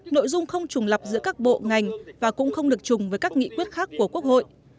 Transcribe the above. nội dung không trùng lập giữa các bộ ngành và cũng không được chùng với các nghị quyết khác của quốc hội